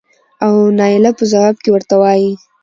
او نايله په ځواب کې ورته وايې